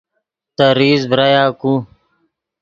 تے ریز ڤرایا کو